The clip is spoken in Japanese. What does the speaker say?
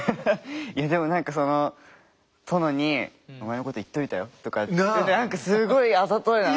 いやでも何かその殿にお前のこと言っといたよとか何かすごいあざといなと思って。